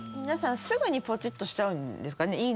皆さんすぐにポチっとしちゃうんですかね？